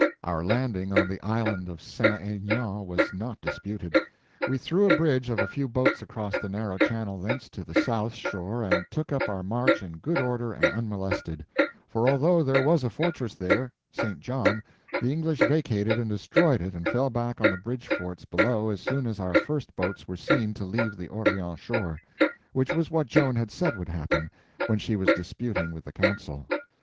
Our landing on the island of St. Aignan was not disputed. We threw a bridge of a few boats across the narrow channel thence to the south shore and took up our march in good order and unmolested; for although there was a fortress there—St. John—the English vacated and destroyed it and fell back on the bridge forts below as soon as our first boats were seen to leave the Orleans shore; which was what Joan had said would happen, when she was disputing with the council.